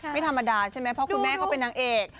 ไม่ธรรมดาใช่ไหมเพราะคุณแม่เขาเป็นนางเอก